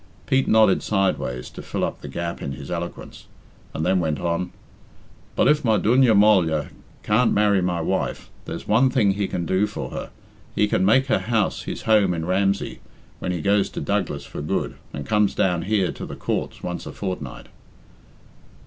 Pete nodded sideways to fill up the gap in his eloquence, and then went on. "But if my dooiney molla can't marry my wife, there's one thing he can do for her he can make her house his home in Ramsey when he goes to Douglas for good and comes down here to the coorts once a fortnight."